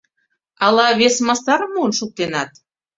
Ала вес мастарым муын шуктенат?